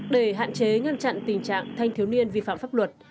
để hạn chế ngăn chặn tình trạng thanh thiếu niên vi phạm pháp luật